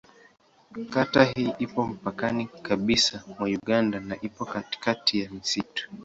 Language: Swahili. Kata hii ipo mpakani kabisa mwa Uganda na ipo katikati ya msitu.